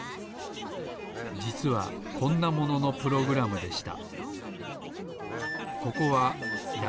じつはこんなもののプログラムでした。